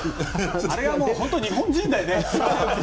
あれが本当に日本人だよね。